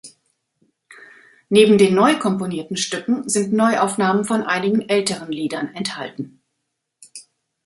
Neben den neu komponierten Stücken sind Neuaufnahmen von einigen älteren Liedern enthalten.